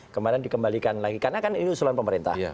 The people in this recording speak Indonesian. kemarin dikembalikan lagi karena kan ini usulan pemerintah